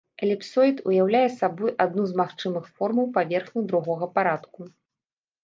Эліпсоід ўяўляе сабой адну з магчымых формаў паверхняў другога парадку.